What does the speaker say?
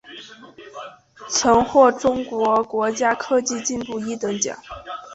曾获中国国家科技进步一等奖。